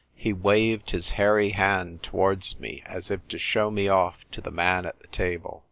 He waved his hairy hand to wards me as if to show me off to the man at the table.